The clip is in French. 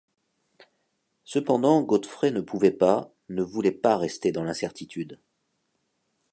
Cependant Godfrey ne pouvait pas, ne voulait pas rester dans l’incertitude.